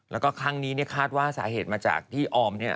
แล้วก็ครั้งนี้เนี่ยคาดว่าสาเหตุมาจากที่ออมเนี่ย